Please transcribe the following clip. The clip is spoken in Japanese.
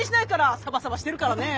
サバサバしてるからね。